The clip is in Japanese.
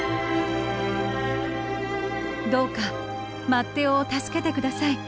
「どうかマッテオを助けて下さい。